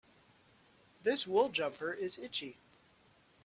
This wool jumper is itchy.